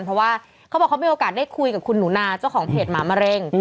เพราะว่าเขาบอกเขามีโอกาสได้คุยกับคุณหนูนาเจ้าของเพจหมามะเร็ง